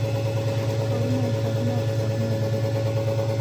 کارونه حسابونه او کتابونه لري.